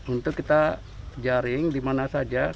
untuk kita jaring dimana saja